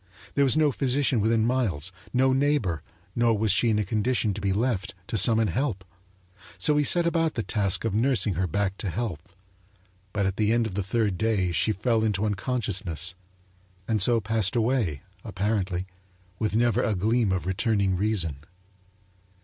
There was no physician within miles, no neighbor; nor was she in a condition to be left, to summon help. So he set about the task of nursing her back to health, but at the end of the third day she fell into unconsciousness and so passed away, apparently, with never a gleam of returning reason.